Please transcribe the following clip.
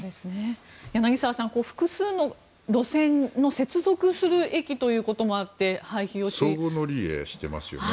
柳澤さん、複数の路線の接続する駅ということもあって相互乗り入れしてますね。